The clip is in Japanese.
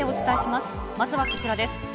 まずはこちらです。